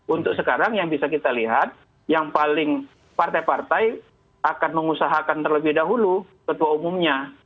untuk sekarang yang bisa kita lihat yang paling partai partai akan mengusahakan terlebih dahulu ketua umumnya